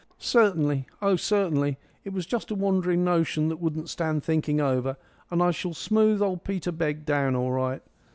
"Certainly; oh, certainly! It was just a wandering notion that wouldn't stand thinking over. And I shall smooth old Peter Begg down all right.